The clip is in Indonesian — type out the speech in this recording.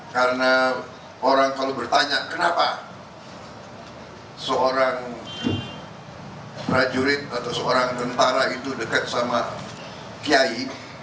karena orang kalau bertanya kenapa seorang prajurit atau seorang tentara itu dekat sama kiai